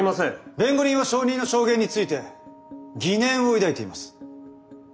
弁護人は証人の証言について疑念を抱いています。